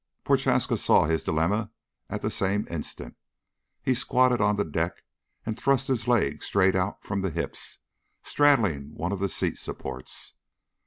Prochaska saw his dilemma at the same instant. He squatted on the deck and thrust his legs straight out from the hips, straddling one of the seat supports.